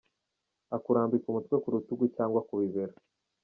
Akurambika umutwe ku rutugu cyangwa ku bibero:.